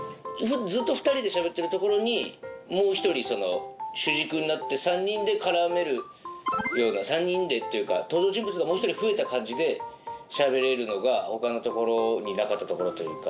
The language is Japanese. ずっと２人で喋ってるところにもう１人主軸になって３人で絡めるような３人でというか登場人物がもう１人増えた感じで喋れるのが他のところになかったところというか。